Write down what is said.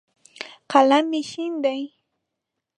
قلم مې شین دی.